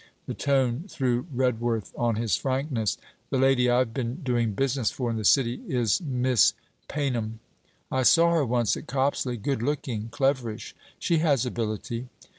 The tone threw Redworth on his frankness. 'The lady I 've been doing business for in the City, is Miss Paynham.' 'I saw her once at Copsley; good looking. Cleverish?' 'She has ability.'